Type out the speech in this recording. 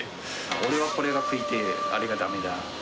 俺はこれが食いてぇ、あれがだめだ。